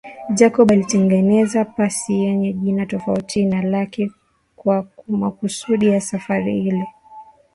Jacob alitengeneza pasi yenye jina tofauti na lake kwa makusudi ya safari ile